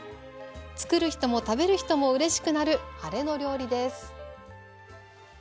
作る人も食べる人もうれしくなるハレの料理です。